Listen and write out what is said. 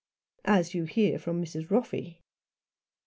"As you hear from Mrs. Roffey."